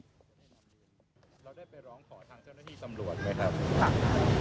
เราได้ไปร้องขอทางเจ้าหน้าที่ตำรวจไหมครับ